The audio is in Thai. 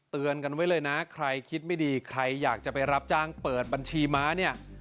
เตือนกันไว้เลยนะใครคิดไม่ดีใครอยากจะไปรับจ้างเปิดบัญชีม้าเนี่ย